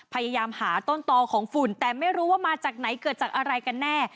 พยายามหาต้นต่อของฝุ่นแต่ไม่รู้ว่ามาจากไหนเกิดจากอะไรกันแน่